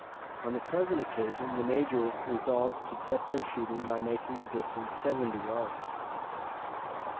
On the present occasion the major resolved to test their shooting by making the distance seventy yards.